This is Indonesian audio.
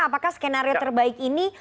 apakah skenario terbaik ini